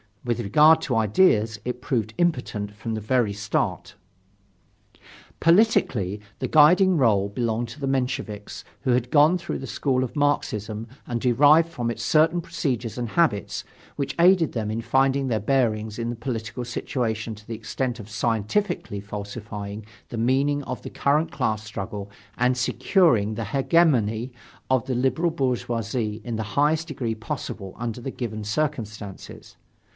With regard to ideas, it proved impotent from the very start. Politically, the guiding role belonged to the Mensheviks who had gone through the school of Marxism and derived from it certain procedures and habits, which aided them in finding their bearings in the political situation to the extent of scientifically falsifying the meaning of the current class struggle and securing the hegemony of the liberal bourgeoisie in the highest degree possible under the given circumstances.